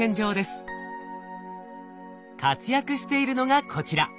活躍しているのがこちら。